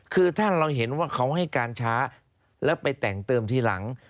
คือถ้าเราเห็นว่าเขาให้การช้าแล้วไปแต่งเติมทีหลัง